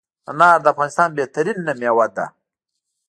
انار دافغانستان بهترینه میوه ده